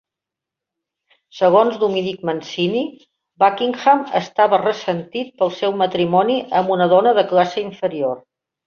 Segons Dominic Mancini, Buckingham estava ressentit pel seu matrimoni amb una dona de classe inferior.